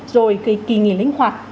rồi cái kỳ nghỉ linh hoạt